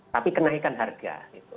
tapi kenaikan harga